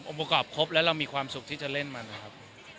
ประกอบครบแล้วเรามีความสุขที่จะเล่นมันนะครับ